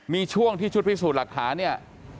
มีช่วงที่ชุดพิสูจน์หลักฐานเนี่ย